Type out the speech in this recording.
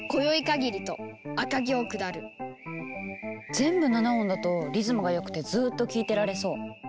全部７音だとリズムがよくてずっと聴いてられそう。